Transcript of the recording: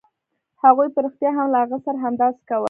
هغوی په رښتیا هم له هغه سره همداسې کول